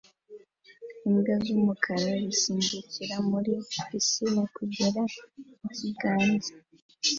imbwa z'umukara zisimbukira muri pisine kugera mukiganza